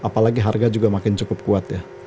apalagi harga juga makin cukup kuat ya